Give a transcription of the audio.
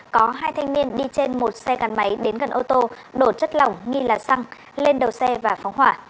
có hai thanh niên đi trên một xe gắn máy đến gần ô tô đổ chất lỏng nghi là xăng lên đầu xe và phóng hỏa